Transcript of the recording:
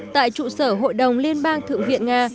tại trụ sở hội đồng liên bang thượng viện nga